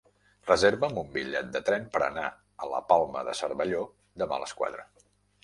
Reserva'm un bitllet de tren per anar a la Palma de Cervelló demà a les quatre.